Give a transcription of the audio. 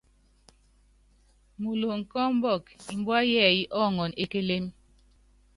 Muloŋ kɔ ɔmbɔk, mbua yɛɛyɛ́ ɔɔŋɔn e kélém.